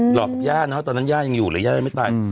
หลอกกับย่าเนอะตอนนั้นย่ายังอยู่เลยย่ายังไม่ตาย